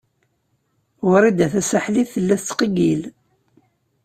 Wrida Tasaḥlit tella tettqeyyil.